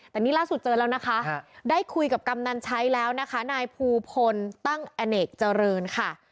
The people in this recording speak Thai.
แต่นี่ล่าสุดเจอแล้วนะคะได้คุยกับกำนันใช้แล้วนะคะนายภูพลตั้งอเนกเจริญค่ะ